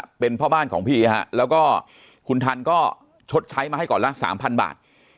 เป็นพ่อบ้านของพี่ฮะแล้วก็คุณทันก็ชดใช้มาให้ก่อนละสามพันบาท